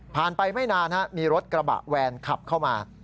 ไปไม่นานมีรถกระบะแวนขับเข้ามา